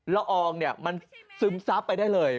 ละอองเนี่ยมันซึมซับไปได้เลย